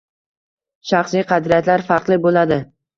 Shaxsiy qadriyatlar farqli bo’ladi